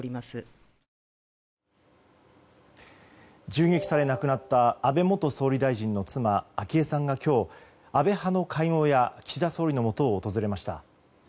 銃撃され亡くなった安倍元総理大臣の妻昭恵さんが今日、安倍派の会合や岸田総理のもとを訪れました。